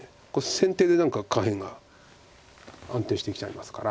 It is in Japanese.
先手で何か下辺が安定してきちゃいますから。